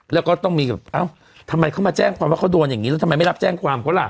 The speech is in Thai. แล้วก็ต้องมีแบบเอ้าทำไมเขามาแจ้งความว่าเขาโดนอย่างนี้แล้วทำไมไม่รับแจ้งความเขาล่ะ